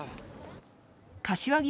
柏木